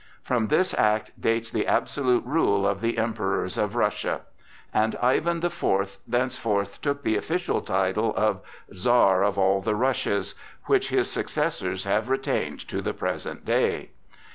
From this act dates the absolute rule of the emperors of Russia, and Ivan the Fourth thenceforth took the official title of "Czar of all the Russias," which his successors have retained to the present day.